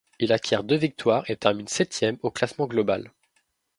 Il acquiert deux victoires et termine septième au classement global.